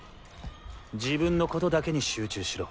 自分のことだけに集中しろ。